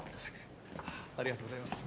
ありがとうございます。